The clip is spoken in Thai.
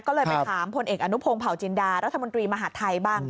ก็เลยไปถามพลเอกอนุพงศ์เผาจินดารัฐมนตรีมหาดไทยบ้าง